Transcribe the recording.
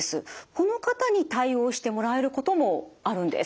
この方に対応してもらえることもあるんです。